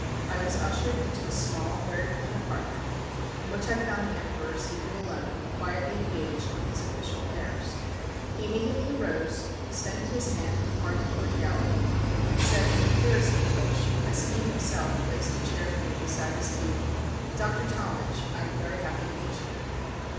I was ushered into a small, very plain apartment, in which I found the Emperor seated alone, quietly engaged with his official cares. He immediately arose, extended his hand with hearty cordiality, and said in the purest English, as he himself placed a chair for me beside his table, "Doctor Talmage, I am very happy to meet you."